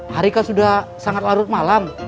hari kan sudah sangat larut malam